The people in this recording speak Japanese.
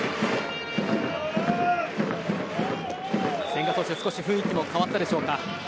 千賀投手、少し雰囲気も変わったでしょうか。